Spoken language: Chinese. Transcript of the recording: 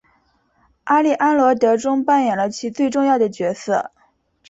阿丽安萝德中扮演了其最重要的角色。